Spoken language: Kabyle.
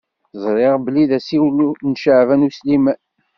Ẓṛiɣ belli d asiwel n Caɛban U Sliman.